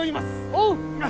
「おう！」。